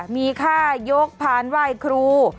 มีค่ายกผ่านว่ายครู